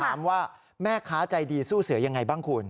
ถามว่าแม่ค้าใจดีสู้เสือยังไงบ้างคุณ